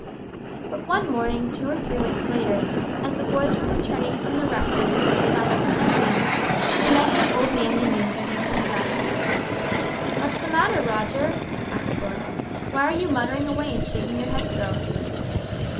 But one morning two or three weeks later, as the boys were returning from the Rectory with their satchels in their hands, they met an old man they knew in deep distress. "What's the matter, Roger?" asked Roy; "why are you muttering away and shaking your head so?"